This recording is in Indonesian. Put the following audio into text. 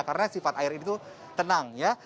karena sifat air itu tenang ya